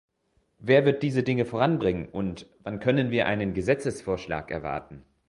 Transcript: Wer wird diese Dinge voranbringen, und wann können wir einen Gesetzesvorschlag erwarten?